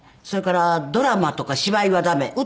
それからドラマとか芝居は駄目。